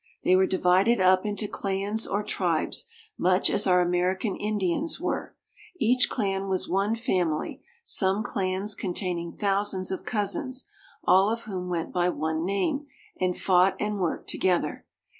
They were divided up into clans or tribes, much as our American Indians were. Each clan was one family, some clans containing thousands of cousins, all of whom went by one name and fought and worked together.